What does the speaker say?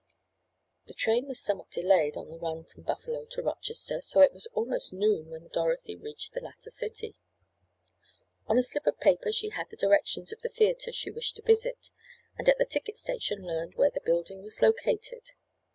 The train was somewhat delayed on the run from Buffalo to Rochester, so it was almost noon when Dorothy reached the latter city. On a slip of paper she had the directions of the theatre she wished to visit, and at the ticket station learned where the building was located.